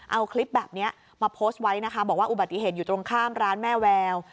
เอาคลิปแบบนี้มาโพสต์ไว้นะคะบอกว่าอุบัติเหตุอยู่ตรงข้ามร้านแม่แวว